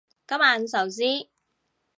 今晚壽司